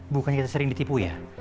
bukannya kita sering ditipu ya